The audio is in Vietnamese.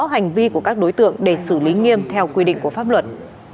hành vi của các đối tượng để xử lý nghiêm theo quy định của pháp luật